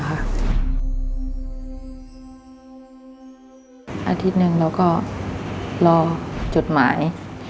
อาทิตย์หนึ่งเราก็รอจดหมาย